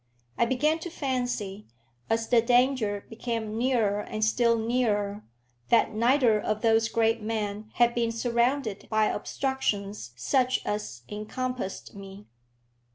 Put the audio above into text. I began to fancy, as the danger became nearer and still nearer, that neither of those great men had been surrounded by obstructions such as encompassed me.